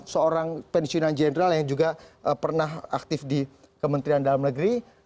seorang pensiunan jenderal yang juga pernah aktif di kementerian dalam negeri